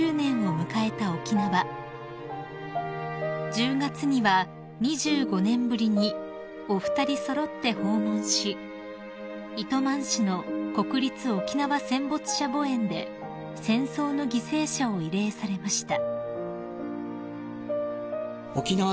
［１０月には２５年ぶりにお二人揃って訪問し糸満市の国立沖縄戦没者墓苑で戦争の犠牲者を慰霊されました］